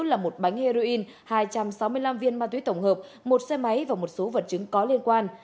là một bánh heroin hai trăm sáu mươi năm viên ma túy tổng hợp một xe máy và một số vật chứng có liên quan